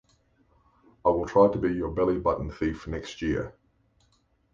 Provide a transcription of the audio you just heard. I will try to be your belly button thief next year.